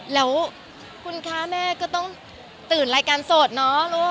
แล้วคุณคะแม่ก็ต้องตื่นรายการโสดเนาะลูก